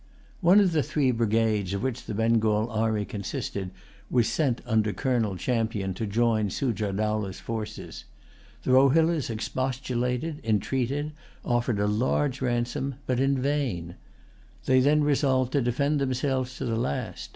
One of the three brigades of which the Bengal army consisted was sent under Colonel Champion to join Sujah Dowlah's forces. The Rohillas expostulated, entreated, offered a large ransom, but in vain. They then resolved to defend themselves to the last.